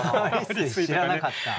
蟻吸知らなかった。